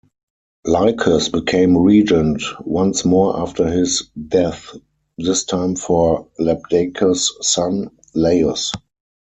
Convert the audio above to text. Lycus became regent once more after his death, this time for Labdacus' son, Laius.